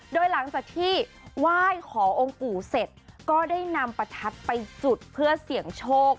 โดยหลังจากที่ไหว้ขอองค์ปู่เสร็จก็ได้นำประทัดไปจุดเพื่อเสี่ยงโชค